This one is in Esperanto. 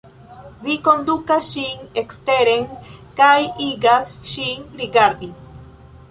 Vi kondukas ŝin eksteren kaj igas ŝin rigardi.